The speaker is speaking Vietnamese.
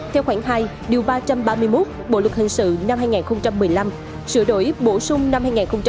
theo khoảng hai ba trăm ba mươi một bộ luật hình sự năm hai nghìn một mươi năm sửa đổi bổ sung năm hai nghìn một mươi bảy